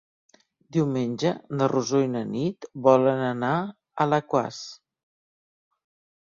Diumenge na Rosó i na Nit volen anar a Alaquàs.